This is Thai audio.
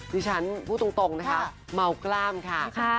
ที่ฉันพูดตรงนะคะเมากล้ามค่ะ